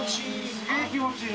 すげえ気持ちいい！